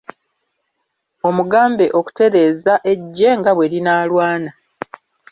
Omugambe okutereeza eggye nga bwe linaalwana.